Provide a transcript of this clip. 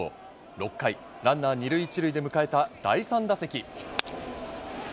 ６回、ランナー２塁１塁で迎えた第３打席。